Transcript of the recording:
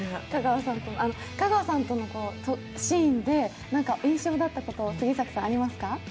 香川さんとのシーンで、何か印象的だったことはありますか？